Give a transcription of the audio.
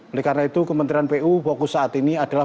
oleh karena itu kementerian pu fokus saat ini adalah